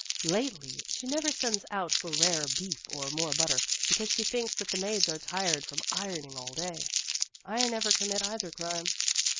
" Lately she never sends out for rare beef or more butter, because she thinks that the maids are tired from ironing all day." " I never commit either crime."